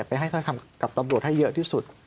ไปให้ทำกับตอบโดดให้เยอะที่สุด